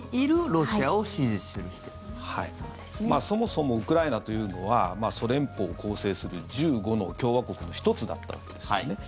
そもそもウクライナというのはソ連邦を構成する１５の共和国の１つだったわけですよね。